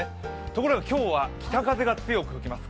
ところが今日は北風が強く吹きます。